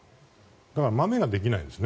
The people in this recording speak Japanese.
だから、まめができないです。